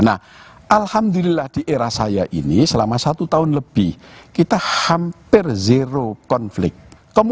nah alhamdulillah di era saya ini selama satu tahun lebih kita hampir zero konflik